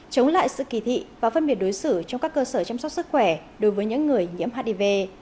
chống lại sự kỳ thị và phân biệt đối xử trong các cơ sở chăm sóc sức khỏe đối với những người nhiễm hiv